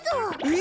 え！